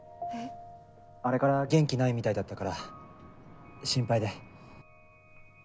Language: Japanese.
あれから元気ないみたいだったから心配で。